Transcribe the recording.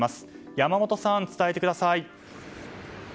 山本さん、伝えてください。